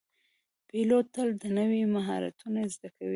پیلوټ تل نوي مهارتونه زده کوي.